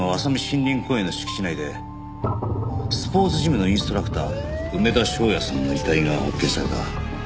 森林公園の敷地内でスポーツジムのインストラクター梅田翔也さんの遺体が発見された。